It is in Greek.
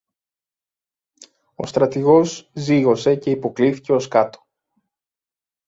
Ο στρατηγός ζύγωσε και υποκλίθηκε ως κάτω.